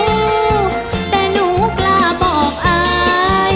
ยังเป็นอะไรมาแต่หนูกล้าบอกไอ้